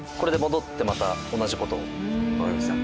わかりました。